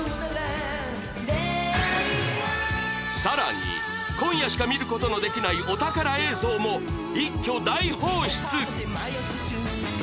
更に今夜しか見ることのできないお宝映像も一挙大放出！